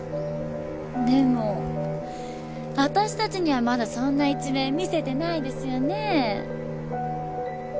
でも私たちにはまだそんな一面見せてないですよね。